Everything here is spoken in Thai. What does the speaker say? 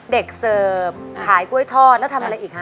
เสิร์ฟขายกล้วยทอดแล้วทำอะไรอีกคะ